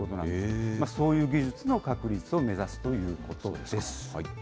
そういう技術の確立を目指すということです。